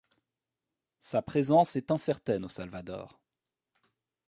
Sa présence est incertaine au Salvador.